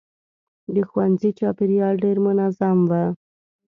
د ښوونځي چاپېریال ډېر منظم و.